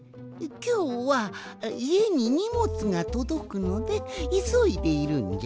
きょうはいえににもつがとどくのでいそいでいるんじゃ。